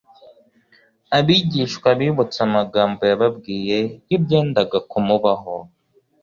abigishwa bibutse amagambo yababwiye y'ibyendaga kumubaho,